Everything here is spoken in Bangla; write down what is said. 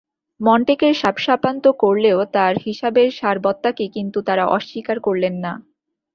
মন্টেকের শাপশাপান্ত করলেও তাঁর হিসাবের সারবত্তাকে কিন্তু তাঁরা অস্বীকার করলেন না।